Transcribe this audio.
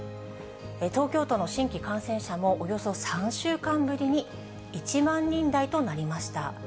東京都の新規感染者もおよそ３週間ぶりに１万人台となりました。